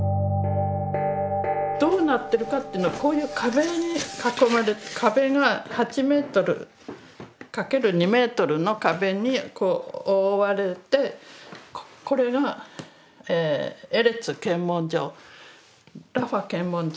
どうなってるかってのはこういう壁に囲まれて８メートル×２メートルの壁にこう覆われてこれがエレツ検問所ラファ検問所。